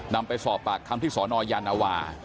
นำไปสอบปากคำที่สนยานวา